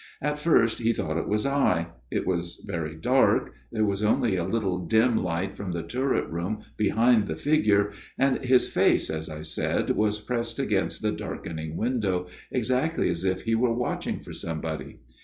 At first he thought it was I. It was very dark ; there was only a little dim light from the turret room behind the figure, and his face, as I said, was pressed against the darkening window, exactly as if he were watching for somebody.